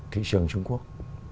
thị trường trung quốc